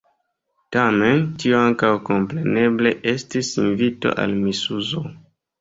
Tamen tio ankaŭ kompreneble estis invito al misuzo.